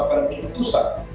saya berharap ini adalah keputusan